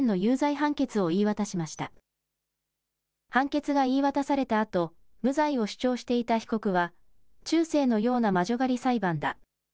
判決が言い渡されたあと、無罪を主張していた被告は、中世のような魔女狩り裁判だ。